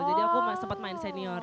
jadi aku sempat main senior